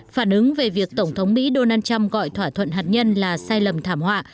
phản ứng về việc tổng thống mỹ donald trump gọi thỏa thuận hạt nhân là sai lầm thảm họa